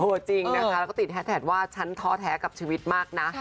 จริงนะคะแล้วก็ติดแฮสแท็กว่าฉันท้อแท้กับชีวิตมากนะ